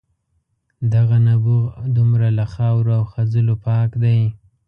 دغه نبوغ دومره له خاورو او خځلو پاک دی.